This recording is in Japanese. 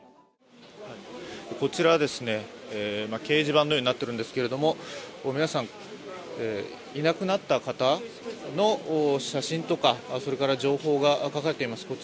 こちら、掲示板のようになっているんですけれども、皆さん、いなくなった方の写真とかそれから情報が書かれています。